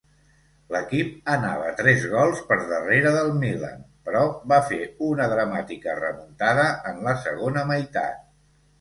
L'equip anava tres gols per darrere del Milan però va fer una dramàtica remuntada en la segona meitat.